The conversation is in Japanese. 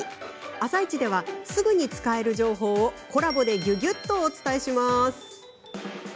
「あさイチ」ではすぐに使える情報をコラボでぎゅぎゅっとお伝えします。